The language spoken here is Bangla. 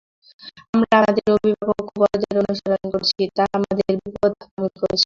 আমরা আমাদের অভিভাবক ও বড়দের অনুসরণ করেছি, তারা আমাদের বিপথগামী করেছে।